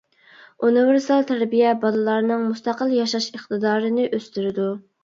ئۇنىۋېرسال تەربىيە بالىلارنىڭ مۇستەقىل ياشاش ئىقتىدارىنى ئۆستۈرىدۇ.